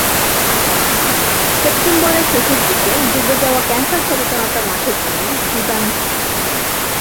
সেপ্টেম্বরের শেষের দিকে সেপ্টেম্বরের শেষের দিকে থেকে, ডুবে যাওয়া ক্যান্সার সচেতনতা মাসের জন্য সুদান জি।